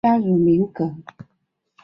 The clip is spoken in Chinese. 加入民革。